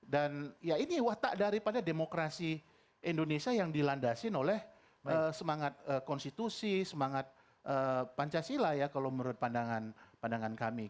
dan ya ini watak daripada demokrasi indonesia yang dilandasin oleh semangat konstitusi semangat pancasila ya kalau menurut pandangan kami